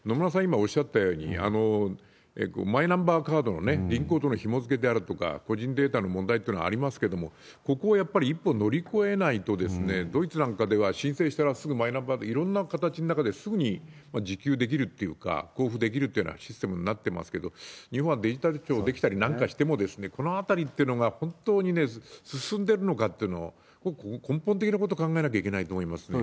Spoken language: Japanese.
今おっしゃったように、マイナンバーカードの銀行とのひもづけであるとか、個人データの問題とかもありますけれども、ここをやっぱり乗り越えないと、ドイツなんかでは、申請したらすぐマイナンバーで、いろんな形の中ですぐに受給できるというか、交付できるっていうようなシステムになってますけど、日本はデジタル庁出来たりなんかしても、このあたりっていうのが本当に進んでるのかっていうのを、根本的なこと考えなきゃいけないと思いますね。